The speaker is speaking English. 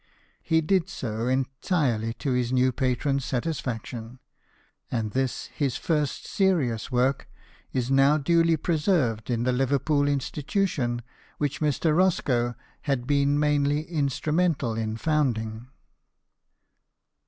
He did so entirely to his new patron's satisfaction, and this his first serious work is now duly pre served in the Liverpool Institution which Mr. Roscoe had been mainly instrumental in founding.